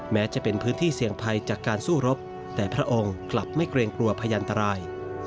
แม้จะเป็นพื้นที่เสี่ยงภัยจากการสู้รบแต่พระองค์กลับไม่เกรงกลัวพยันตราย